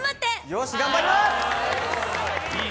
よし、頑張ります！